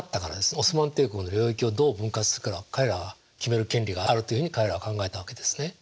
オスマン帝国の領域をどう分割するかは彼らが決める権利があるというふうに彼らは考えたわけですね。